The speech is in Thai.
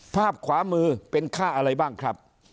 ภาพขวามือเป็นค่าอะไรบ้างครับ